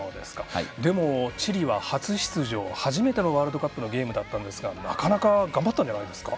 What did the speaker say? でも、チリは初出場初めてのワールドカップのゲームだったんですがなかなか頑張ったんじゃないんですか。